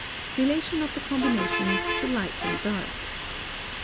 RELATION OF THE COMBINATIONS TO LIGHT AND DARK.